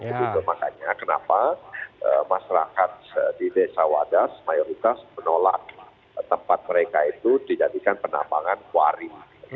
itu makanya kenapa masyarakat di desa wadas mayoritas menolak tempat mereka itu dijadikan penambangan kuari